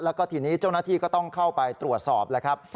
แล้วก็ทีนี้เจ้าหน้าที่ก็ต้องเข้าไปตรวจสอบแล้วครับ